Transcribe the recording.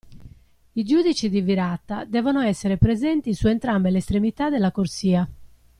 I giudici di virata devono essere presenti su entrambe le estremità della corsia.